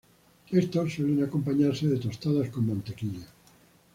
Estos suelen acompañarse de tostadas con mantequilla.